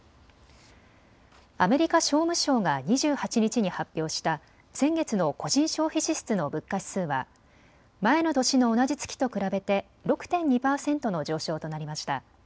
アメリカ商務省が２８日に発表した先月の個人消費支出の物価指数は前の年の同じ月と比べて６．２％の上昇となりました。